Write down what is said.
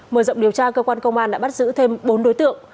mở rộng điều tra cơ quan công an đã bắt giữ thêm bốn đối tượng